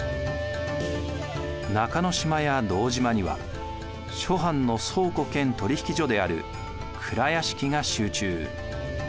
中之島や堂島には諸藩の倉庫兼取引所である蔵屋敷が集中。